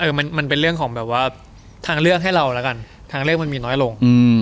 เอ้อมันเป็นเรื่องทางเลือกมันมีน้อยลง